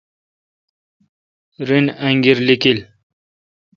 رن انگیر لیکیل ۔